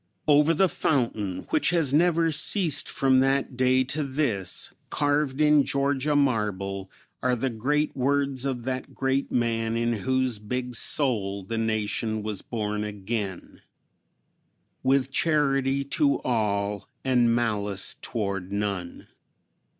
Over the fountain, which has never ceased from that day to this, carved in Georgia marble are the great words of that great man in whose big soul the nation was born again: "With charity to all and malice toward none."